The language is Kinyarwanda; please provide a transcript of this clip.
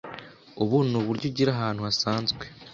Ubu ni uburyo ugira ahantu hasanzwe,